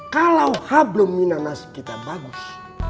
kalau hablum minanas kita bagus